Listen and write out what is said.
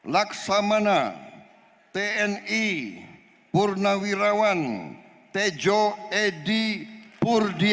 laksamana tni purnawirawan tejo edy purdiatno